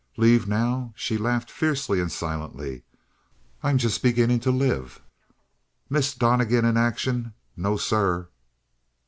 "Leave now?" She laughed fiercely and silently. "I'm just beginning to live! Miss Donnegan in action? No, sir!"